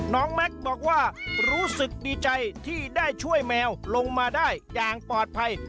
แม็กซ์บอกว่ารู้สึกดีใจที่ได้ช่วยแมวลงมาได้อย่างปลอดภัย